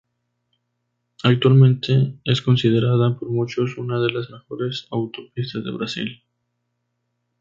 Actualmente es considerada por muchos una de las mejores autopistas del Brasil.